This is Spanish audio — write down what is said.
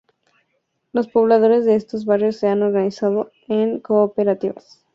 Los pobladores de este barrio se han organizado en cooperativas.